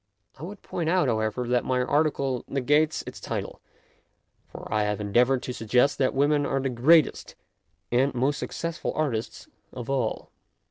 I would point out, however, that my article negates its title, for I have endeavoured to suggest that women are the greatest and most suc cessful artists of all.